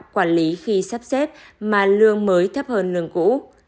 quản lý khi sắp xếp mà lương mới thấp hơn lương cũ